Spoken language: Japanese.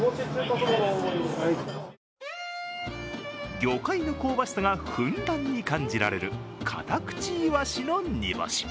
業界の香ばしさがふんだんに感じられるカタクチイワシの煮干し。